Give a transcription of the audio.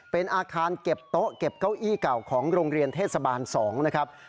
เป็นอาคารเก็บโต๊ะเก็บเก้าอี้เก่าของโรงเรียนเทศบาล๒นะครับ